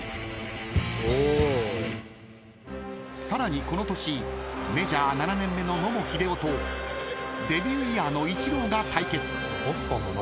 ［さらにこの年メジャー７年目の野茂英雄とデビューイヤーのイチローが対決］